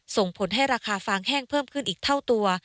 ส่งผลให้ราคาฟางแห้งเพิ่มขึ้นอีกเท่าตัว